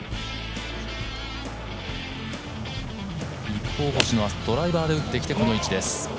一方、星野はドライバーで打ってきてこの位置です。